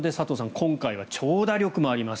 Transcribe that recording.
今回は長打力もあります